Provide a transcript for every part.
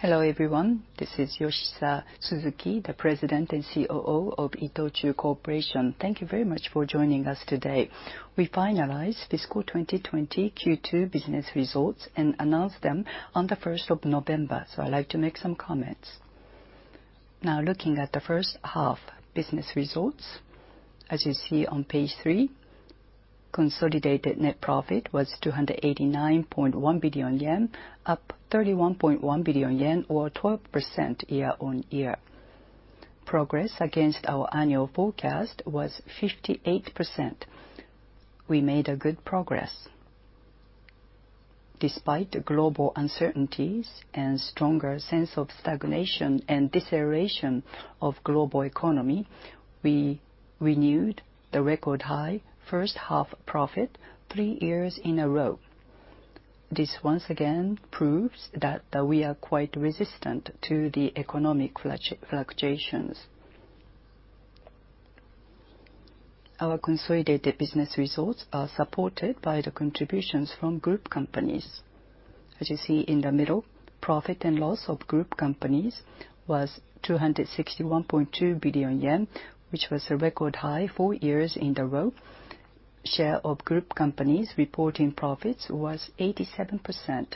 Hello everyone, this is Yoshihisa Suzuki, the President and COO of ITOCHU Corporation. Thank you very much for joining us today. We finalized fiscal 2020 Q2 business results and announced them on the 1st of November, so I'd like to make some comments. Now, looking at the first half business results, as you see on page three, consolidated net profit was 289.1 billion yen, up 31.1 billion yen or 12% year-on-year. Progress against our annual forecast was 58%. We made good progress. Despite global uncertainties and a stronger sense of stagnation and deceleration of the global economy, we renewed the record-high first-half profit three years in a row. This once again proves that we are quite resistant to the economic fluctuations. Our consolidated business results are supported by the contributions from group companies. As you see in the middle, profit and loss of group companies was 261.2 billion yen, which was a record high four years in a row. Share of group companies reporting profits was 87%,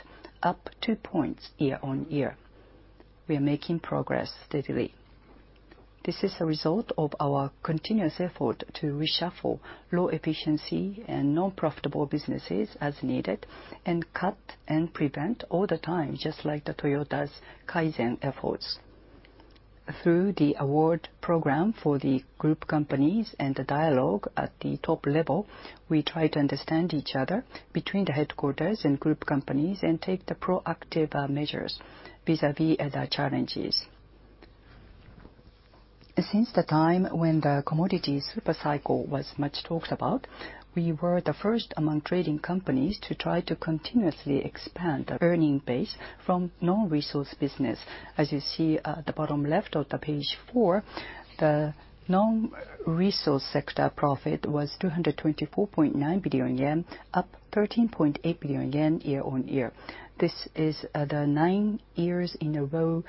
up 2 points year-on-year. We are making progress steadily. This is a result of our continuous effort to reshuffle low-efficiency and non-profitable businesses as needed and cut and prevent all the time, just like Toyota's Kaizen efforts. Through the award program for the group companies and the dialogue at the top level, we try to understand each other between the headquarters and group companies and take proactive measures vis-à-vis the challenges. Since the time when the commodity supercycle was much talked about, we were the first among trading companies to try to continuously expand the earning base from non-resource business. As you see at the bottom left of page four, the non-resource sector profit was 224.9 billion yen, up 13.8 billion yen year-on-year. This is the nine years in a row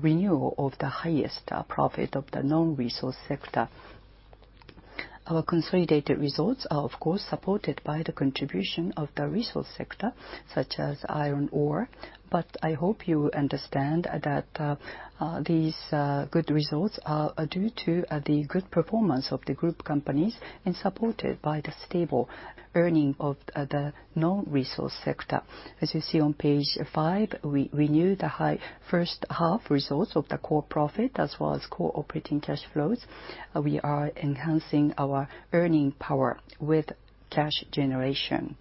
renewal of the highest profit of the non-resource sector. Our consolidated results are, of course, supported by the contribution of the resource sector, such as iron ore, but I hope you understand that these good results are due to the good performance of the group companies and supported by the stable earning of the non-resource sector. As you see on page five, we renewed the high first-half results of the core profit as well as core operating cash flows. We are enhancing our earning power with cash generation.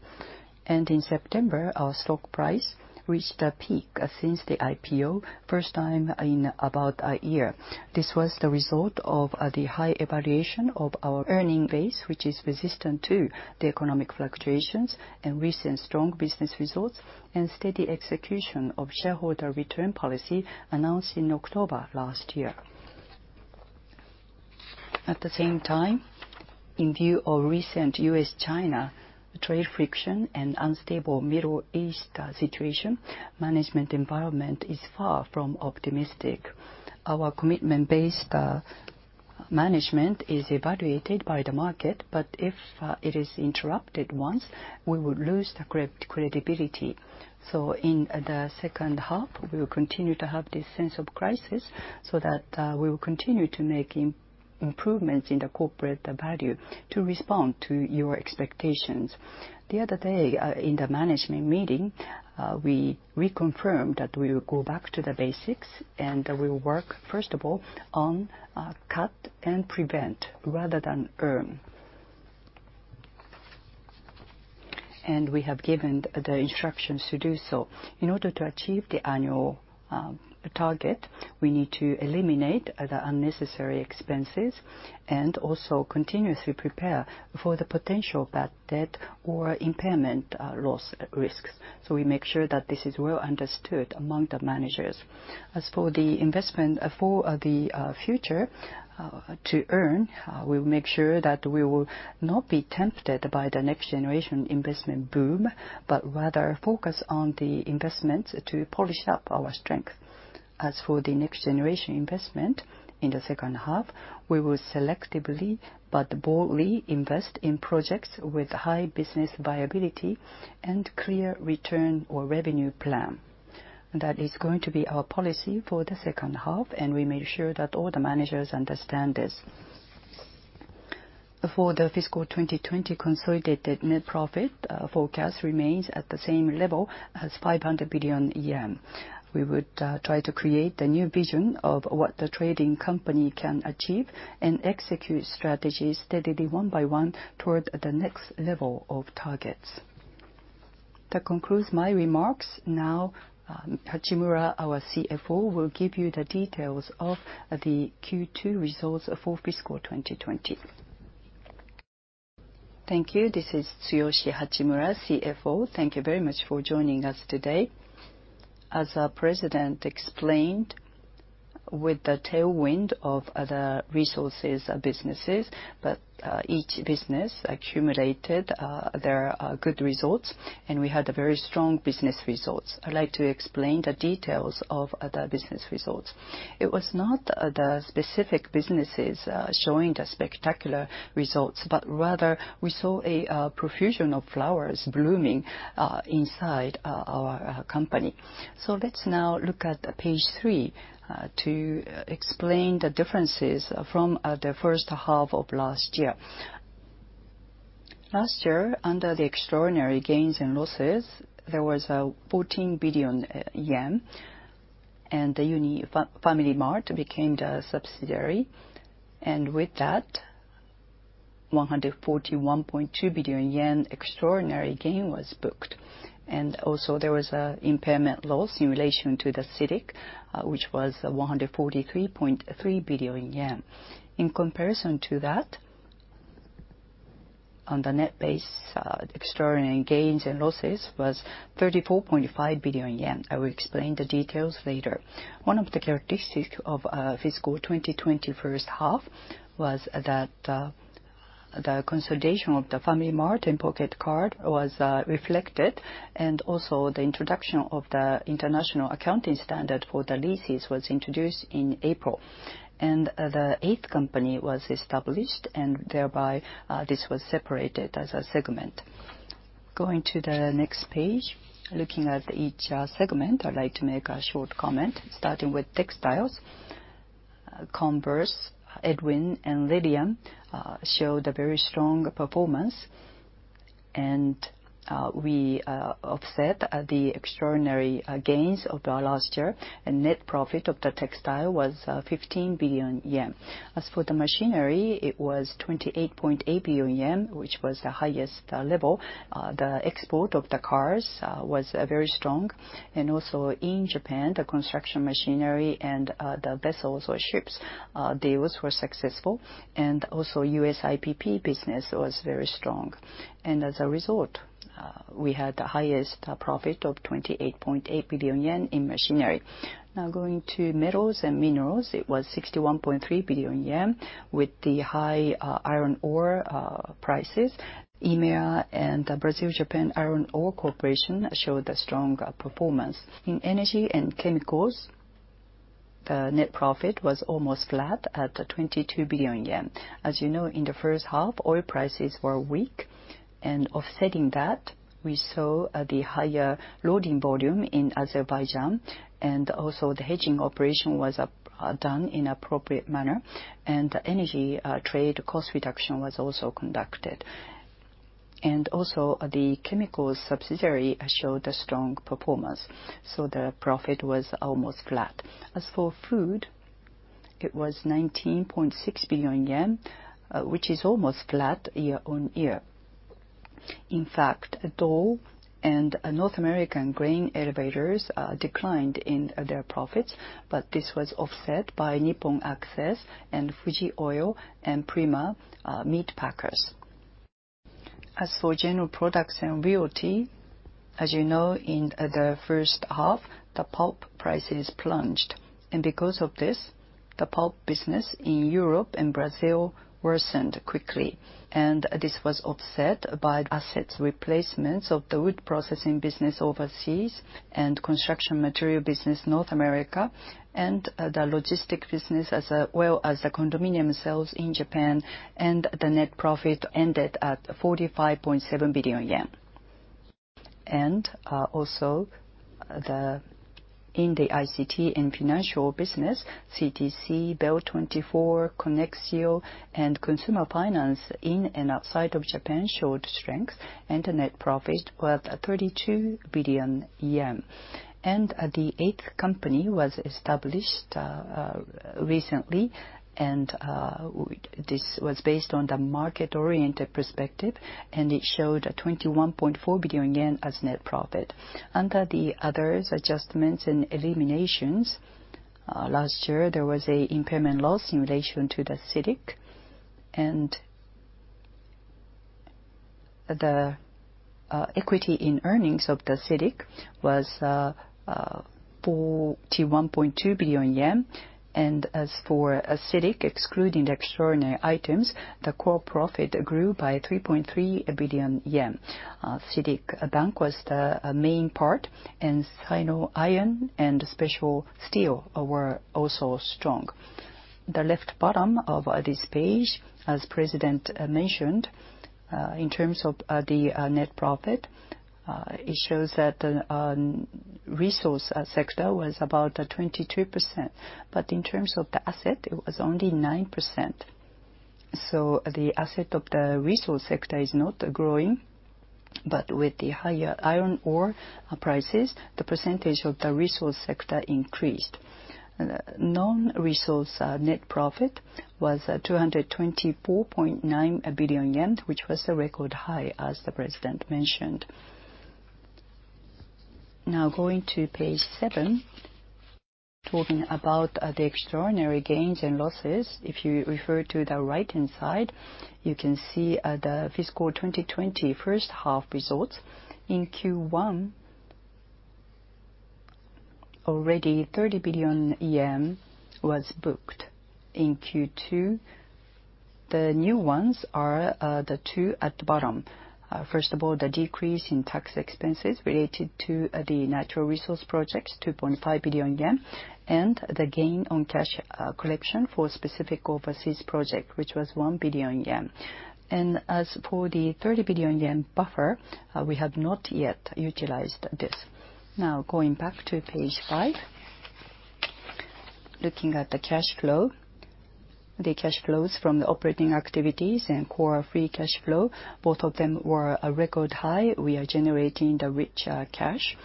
In September, our stock price reached a peak since the IPO, first time in about a year. This was the result of the high evaluation of our earning base, which is resistant to the economic fluctuations and recent strong business results and steady execution of shareholder return policy announced in October last year. At the same time, in view of recent U.S.-China trade friction and unstable Middle East situation, management environment is far from optimistic. Our commitment-based management is evaluated by the market, but if it is interrupted once, we will lose the credibility. In the second half, we will continue to have this sense of crisis so that we will continue to make improvements in the corporate value to respond to your expectations. The other day in the management meeting, we reconfirmed that we will go back to the basics and that we will work, first of all, on cut and prevent rather than earn. We have given the instructions to do so. In order to achieve the annual target, we need to eliminate the unnecessary expenses and also continuously prepare for the potential bad debt or impairment loss risks. We make sure that this is well understood among the managers. As for the investment for the future to earn, we will make sure that we will not be tempted by the next-generation investment boom, but rather focus on the investments to polish up our strength. As for the next-generation investment, in the second half, we will selectively but boldly invest in projects with high business viability and clear return or revenue plan. That is going to be our policy for the second half, and we made sure that all the managers understand this. For the fiscal 2020 consolidated net profit forecast remains at the same level as 500 billion yen. We would try to create a new vision of what the trading company can achieve and execute strategies steadily one by one toward the next level of targets. That concludes my remarks. Now, Hachimura, our CFO, will give you the details of the Q2 results for fiscal 2020. Thank you. This is Tsuyoshi Hachimura, CFO. Thank you very much for joining us today. As our President explained, with the tailwind of the resources businesses, each business accumulated their good results, and we had very strong business results. I'd like to explain the details of the business results. It was not the specific businesses showing the spectacular results, but rather we saw a profusion of flowers blooming inside our company. Let's now look at page three to explain the differences from the first half of last year. Last year, under the extraordinary gains and losses, there was 14 billion yen, and the FamilyMart became the subsidiary. With that, 141.2 billion yen extraordinary gain was booked. Also, there was an impairment loss in relation to the CITIC, which was 143.3 billion yen. In comparison to that, on the net base, extraordinary gains and losses was 34.5 billion yen. I will explain the details later. One of the characteristics of fiscal 2020 first half was that the consolidation of the FamilyMart and Pocket Card was reflected, and also the introduction of the international accounting standard for the leases was introduced in April. The 8th Company was established, and thereby this was separated as a segment. Going to the next page, looking at each segment, I'd like to make a short comment starting with textiles. Converse, Edwin, and Lilium showed a very strong performance, and we offset the extraordinary gains of last year, and net profit of the textile was 15 billion yen. As for the machinery, it was 28.8 billion yen, which was the highest level. The export of the cars was very strong. Also in Japan, the construction machinery and the vessels or ships deals were successful, and also U.S. IPP business was very strong. As a result, we had the highest profit of 28.8 billion yen in machinery. Now going to metals and minerals, it was 61.3 billion yen with the high iron ore prices. IMEA and Brazil-Japan Iron Ore Corporation showed a strong performance. In energy and chemicals, the net profit was almost flat at 22 billion yen. As you know, in the first half, oil prices were weak, offsetting that, we saw the higher loading volume in Azerbaijan, and also the hedging operation was done in an appropriate manner, and the energy trade cost reduction was also conducted. Also, the chemical subsidiary showed a strong performance, so the profit was almost flat. As for food, it was 19.6 billion yen, which is almost flat year-on-year. In fact, Dow and North American grain elevators declined in their profits, but this was offset by NIPPON ACCESS and Fuji Oil and Prima Meat Packers. As for general products and realty, as you know, in the first half, the pulp prices plunged, and because of this, the pulp business in Europe and Brazil worsened quickly, and this was offset by asset replacements of the wood processing business overseas and construction material business in North America and the logistics business as well as the condominium sales in Japan and the net profit ended at 45.7 billion yen. Also, in the ICT and financial business, CTC, Bell24, Conexio, and Consumer Finance in and outside of Japan showed strength, and the net profit was 32 billion yen. The eighth company was established recently, and this was based on the market-oriented perspective, and it showed 21.4 billion yen as net profit. Under the other adjustments and eliminations, last year there was an impairment loss in relation to the CITIC, and the equity in earnings of the CITIC was 41.2 billion yen. As for CITIC, excluding the extraordinary items, the core profit grew by 3.3 billion yen. CITIC Bank was the main part, and Sino Iron and Special Steel were also strong. The left bottom of this page, as president mentioned, in terms of the net profit, it shows that the resource sector was about 22%, but in terms of the asset, it was only 9%. The asset of the resource sector is not growing, but with the higher iron ore prices, the percentage of the resource sector increased. Non-resource net profit was 224.9 billion yen, which was a record high, as the president mentioned. Now going to page seven, talking about the extraordinary gains and losses, if you refer to the right-hand side, you can see the fiscal 2020 first-half results. In Q1, already 30 billion yen was booked. In Q2, the new ones are the two at the bottom. First of all, the decrease in tax expenses related to the natural resource projects, 2.5 billion yen, and the gain on cash collection for specific overseas projects, which was 1 billion yen. As for the 30 billion yen buffer, we have not yet utilized this. Now going back to page five, looking at the cash flow, the cash flows from the operating activities and core free cash flow, both of them were a record high. We are generating the rich cash.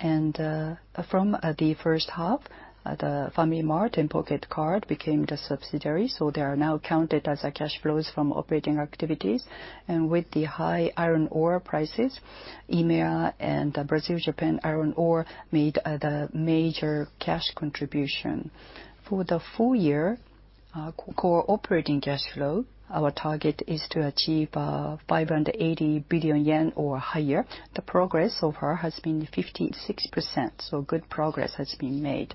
From the first half, FamilyMart and Pocket Card became the subsidiaries, so they are now counted as cash flows from operating activities. With the high iron ore prices, IMEA and Brazil-Japan Iron Ore made the major cash contribution. For the full-year core operating cash flow, our target is to achieve 580 billion yen or higher. The progress so far has been 56%, so good progress has been made.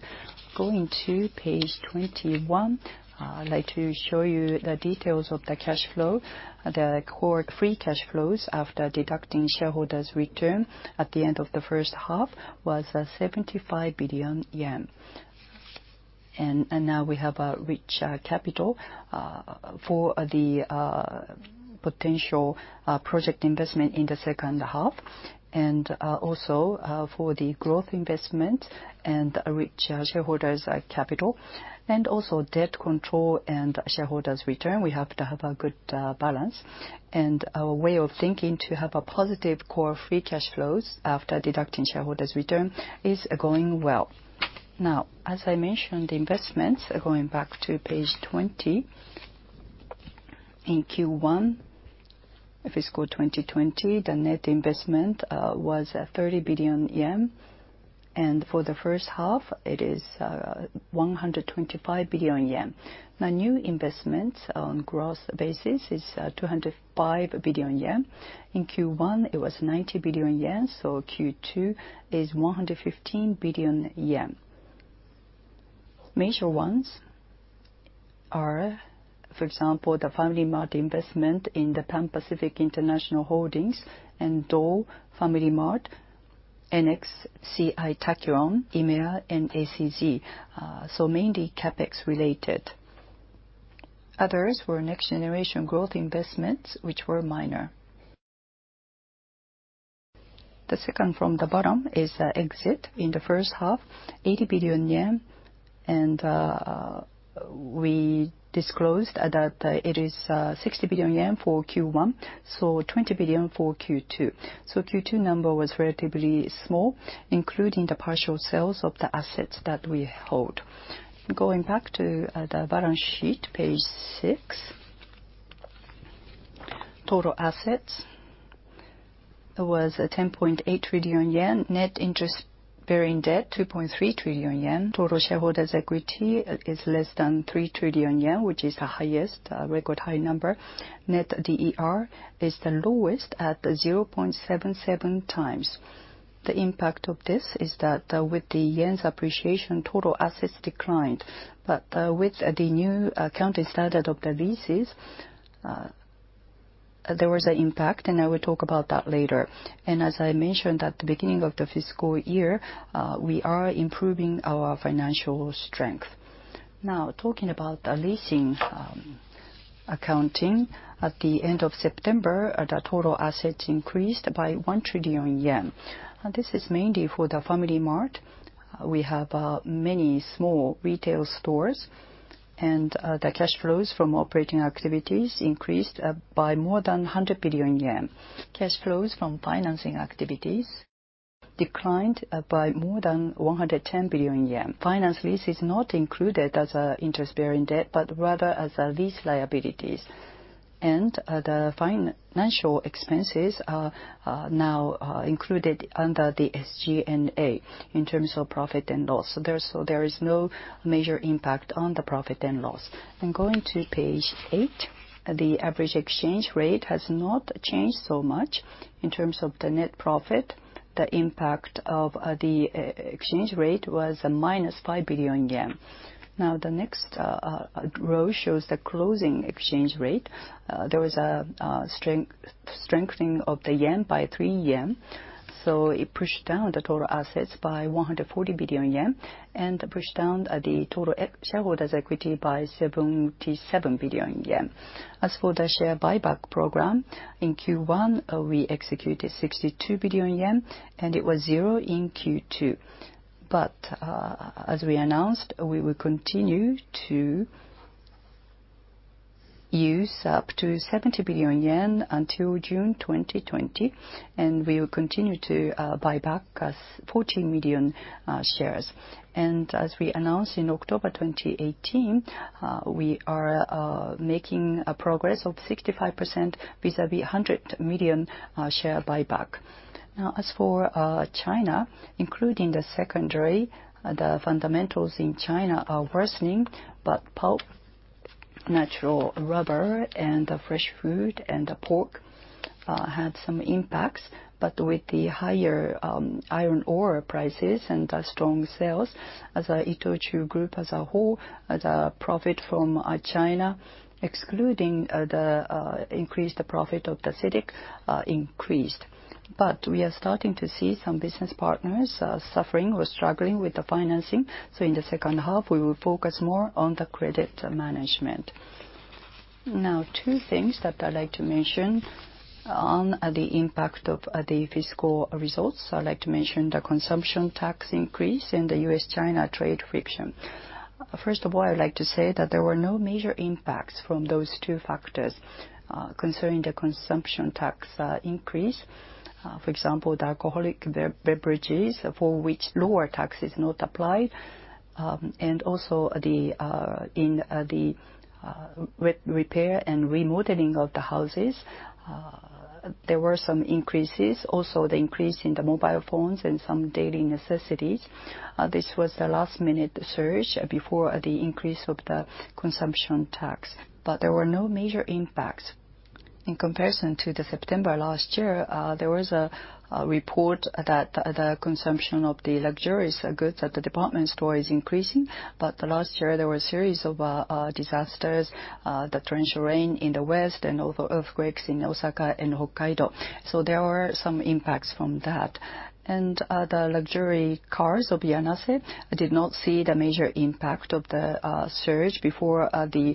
Going to page 21, I'd like to show you the details of the cash flow. The core free cash flows after deducting shareholders' return at the end of the first half was 75 billion yen. Now we have a rich capital for the potential project investment in the second half, and also for the growth investment and rich shareholders' capital. Also, debt control and shareholders' return, we have to have a good balance. Our way of thinking to have a positive core free cash flows after deducting shareholders' return is going well. As I mentioned, the investments, going back to page 20, in Q1 fiscal 2020, the net investment was 30 billion yen, and for the first half, it is 125 billion yen. The new investments on a gross basis is 205 billion yen. In Q1, it was 90 billion yen, so Q2 is 115 billion yen. Major ones are, for example, the FamilyMart investment in the Pan Pacific International Holdings and Dow FamilyMart, NXCI Tachyon], IMEA, and ACG. Mainly CapEx related. Others were next-generation growth investments, which were minor. The second from the bottom is exit in the first half, 80 billion yen, and we disclosed that it is 60 billion yen for Q1, so 20 billion for Q2. Q2 number was relatively small, including the partial sales of the assets that we hold. Going back to the balance sheet, page six, total assets was 10.8 trillion yen, net interest-bearing debt 2.3 trillion yen, total shareholders' equity is less than 3 trillion yen, which is the highest record high number. Net DER is the lowest at 0.77x. The impact of this is that with the yen's appreciation, total assets declined, but with the new accounting standard of the leases, there was an impact, and I will talk about that later. As I mentioned at the beginning of the fiscal year, we are improving our financial strength. Now, talking about the leasing accounting, at the end of September, the total assets increased by 1 trillion yen. This is mainly for the FamilyMart. We have many small retail stores, and the cash flows from operating activities increased by more than 100 billion yen. Cash flows from financing activities declined by more than 110 billion yen. Finance lease is not included as an interest-bearing debt, but rather as lease liabilities. The financial expenses are now included under the SG&A in terms of profit and loss. There is no major impact on the profit and loss. Going to page eight, the average exchange rate has not changed so much in terms of the net profit. The impact of the exchange rate was minus 5 billion yen. Now, the next row shows the closing exchange rate. There was a strengthening of the yen by three yen, so it pushed down the total assets by 140 billion yen and pushed down the total shareholders' equity by 77 billion yen. As for the share buyback program, in Q1, we executed 62 billion yen, and it was zero in Q2. As we announced, we will continue to use up to 70 billion yen until June 2020, and we will continue to buy back 14 million shares. As we announced in October 2018, we are making a progress of 65% vis-à-vis 100 million share buyback. As for China, including the secondary, the fundamentals in China are worsening, but pulp, natural rubber, and fresh food, and pork had some impacts. With the higher iron ore prices and strong sales, as an ITOCHU group as a whole, the profit from China, excluding the increased profit of the CITIC, increased. We are starting to see some business partners suffering or struggling with the financing, so in the second half, we will focus more on the credit management. Now, two things that I'd like to mention on the impact of the fiscal results. I'd like to mention the consumption tax increase and the U.S.-China trade friction. First of all, I'd like to say that there were no major impacts from those two factors concerning the consumption tax increase. For example, the alcoholic beverages, for which lower tax is not applied, and also in the repair and remodeling of the houses, there were some increases. Also, the increase in the mobile phones and some daily necessities. This was the last-minute surge before the increase of the consumption tax, but there were no major impacts. In comparison to September last year, there was a report that the consumption of the luxurious goods at the department store is increasing, but last year, there were a series of disasters, the torrential rain in the west, and also earthquakes in Osaka and Hokkaido. There were some impacts from that. The luxury cars of Yanase did not see the major impact of the surge before the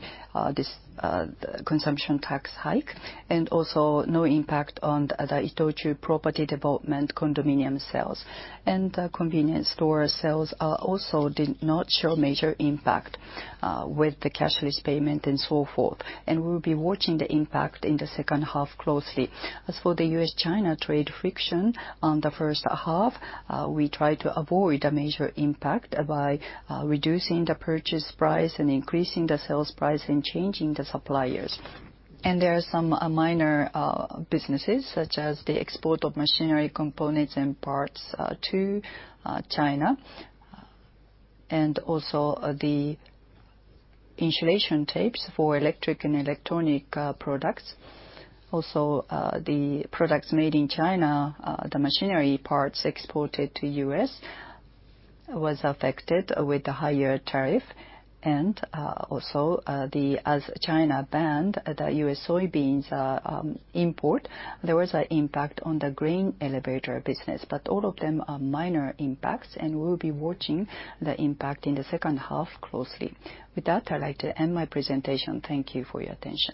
consumption tax hike, and also no impact on the ITOCHU property development condominium sales. The convenience store sales also did not show major impact with the cashless payment and so forth. We will be watching the impact in the second half closely. As for the U.S.-China trade friction, in the first half, we tried to avoid a major impact by reducing the purchase price and increasing the sales price and changing the suppliers. There are some minor businesses, such as the export of machinery components and parts to China, and also the insulation tapes for electric and electronic products. Also, the products made in China, the machinery parts exported to the U.S., were affected with the higher tariff. As China banned the U.S. soybeans import, there was an impact on the grain elevator business. All of them are minor impacts, and we will be watching the impact in the second half closely. With that, I'd like to end my presentation. Thank you for your attention.